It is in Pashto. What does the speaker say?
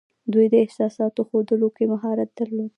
دوی د احساساتو ښودلو کې مهارت درلود